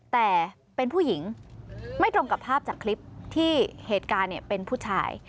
แต่เป็นผู้หญิงไม่ตรงกับภาพจากคลิปที่เหตุการณ์เป็นผู้ชาย